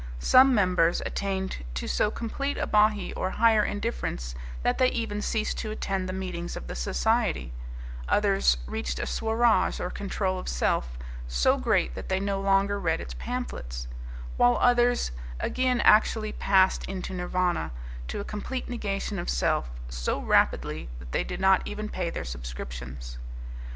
Some members attained to so complete a Bahee, or Higher Indifference, that they even ceased to attend the meetings of the society; others reached a Swaraj, or Control of Self, so great that they no longer read its pamphlets; while others again actually passed into Nirvana, to a Complete Negation of Self, so rapidly that they did not even pay their subscriptions.